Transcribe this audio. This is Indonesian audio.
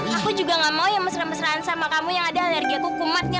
aku juga gak mau yang mesra mesraan sama kamu yang ada alergia kukumatnya